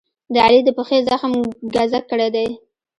د علي د پښې زخم ګذک کړی دی.